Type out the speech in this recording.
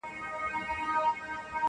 زه او ته دواړه ښکاریان یو د عمرونو-